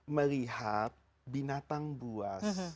melihat binatang buas